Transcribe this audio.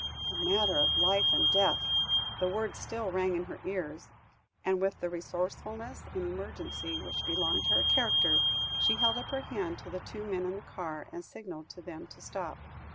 "A matter of life and death!" the words still rang in her ears, and with the resourcefulness in emergency which belonged to her character, she held up her hand to the two men in the car, and signalled to them to stop.